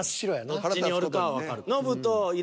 どっちにおるかはわかる。